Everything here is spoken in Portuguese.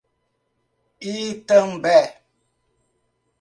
Itambé